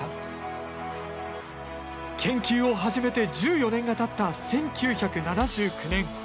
研究を始めて１４年がたった１９７９年。